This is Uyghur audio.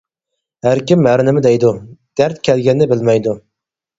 ھەركىم ھەر نېمە دەيدۇ، دەرد كەلگەننى بىلمەيدۇ.